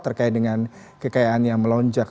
terkait dengan kekayaan yang melonjak